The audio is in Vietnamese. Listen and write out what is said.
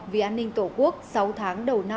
vì an ninh tổ quốc sáu tháng đầu năm hai nghìn hai mươi ba